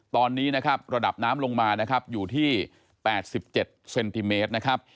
ตอนนี้นะครับระดับน้ำลงมานะครับอยู่ที่๘๗เซนติเมตรนะครับ